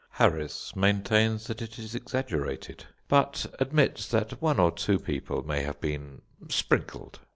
Harris maintains it is exaggerated, but admits that one or two people may have been "sprinkled."